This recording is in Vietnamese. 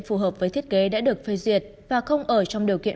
phù hợp với thiết kế đã được phê duyệt và không ở trong điều kiện